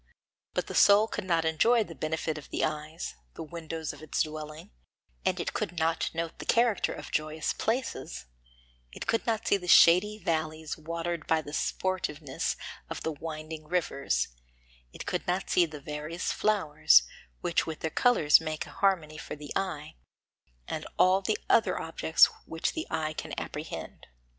But the soul could not enjoy the benefit of the eyes, the windows of its dwelling, and it could not note the character of joyous places; it could not see the shady valleys watered by the sportiveness of the winding rivers; it could not see the various flowers, which with their colours make a harmony for the eye, and all the other objects which the eye can apprehend.